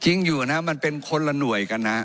จริงอยู่นะมันเป็นคนละหน่วยกันนะ